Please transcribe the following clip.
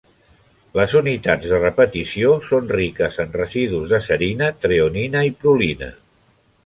Les unitats de repetició són riques en residus de serina, treonina i prolina.